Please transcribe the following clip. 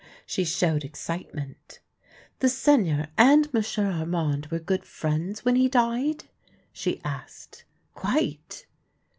She showed excitement. " The Seigneur and M'sieu' Armand were good friends when he died? "' she asked. " Quite."